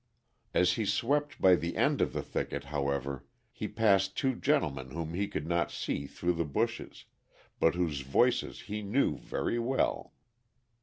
As he swept by the end of the thicket, however, he passed two gentlemen whom he could not see through the bushes, but whose voices he knew very well.